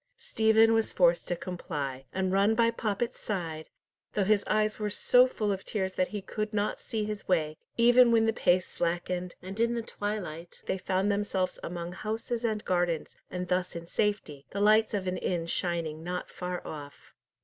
Stephen was forced to comply, and run by Poppet's side, though his eyes were so full of tears that he could not see his way, even when the pace slackened, and in the twilight they found themselves among houses and gardens, and thus in safety, the lights of an inn shining not far off.